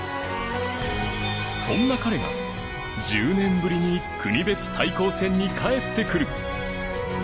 そんな彼が１０年ぶりに国別対抗戦に帰ってくる